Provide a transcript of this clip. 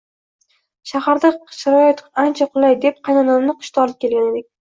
Shaharda sharoit ancha qulay deb qaynonamni qishda olib kelgan edik